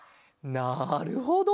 なるほど！